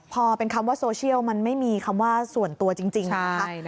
พอเป็นคำว่าโซเชียลมันไม่มีคำว่าส่วนตัวจริงนะคะ